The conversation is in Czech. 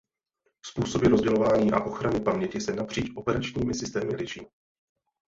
Způsoby rozdělování a ochrany paměti se napříč operačními systémy liší.